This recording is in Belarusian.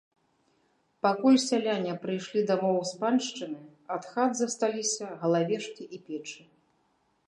Пакуль сяляне прыйшлі дамоў з паншчыны, ад хат засталіся галавешкі і печы.